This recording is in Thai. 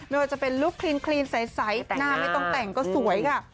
ไม่ว่าจะเป็นลุคคลีนใสหน้าไม่ต้องแต่งก็สวยค่ะ